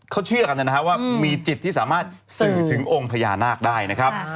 เขาเชื่อกันนะครับว่ามีจิตที่สามารถสื่อถึงองค์พญานาคได้นะครับ